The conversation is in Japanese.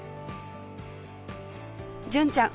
純ちゃん